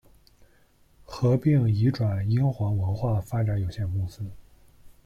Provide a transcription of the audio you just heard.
合并移转英皇文化发展有限公司。